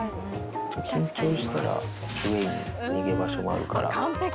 緊張したら上に逃げ場所もあるから。